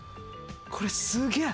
これすげえ！